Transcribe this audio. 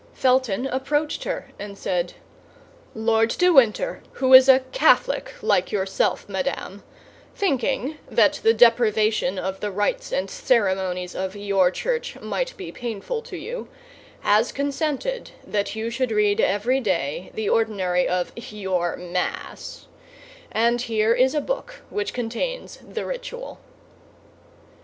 Felton approached her, and said, "Lord de Winter, who is a Catholic, like yourself, madame, thinking that the deprivation of the rites and ceremonies of your church might be painful to you, has consented that you should read every day the ordinary of your Mass; and here is a book which contains the ritual."